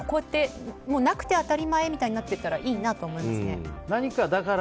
なくて当たり前みたいになったらいいなと思いますね。